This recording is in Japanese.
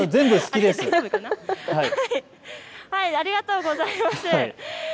ありがとうございます。